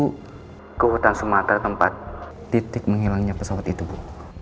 maksud ibu ke hutan semata tempat titik menghilangnya pesawat itu bu